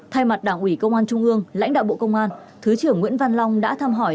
thay mặt đảng ủy công an trung ương lãnh đạo bộ công an thứ trưởng nguyễn văn long đã thăm hỏi